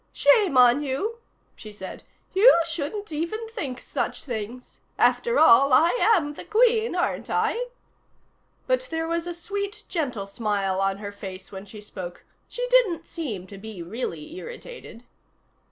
"Shame on you," she said. "You shouldn't even think such things. After all, I am the Queen, aren't I?" But there was a sweet, gentle smile on her face when she spoke; she didn't seem to be really irritated.